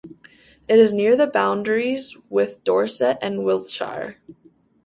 It is near the boundaries with Dorset and Wiltshire.